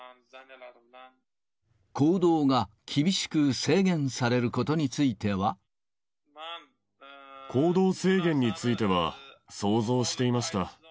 行動が厳しく制限されること行動制限については想像していました。